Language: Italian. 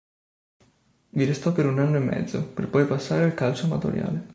Vi restò per un anno e mezzo, per poi passare al calcio amatoriale.